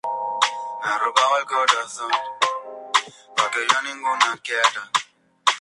Su archivo y biblioteca ha pasado a la Biblioteca Monteverdi de Roma.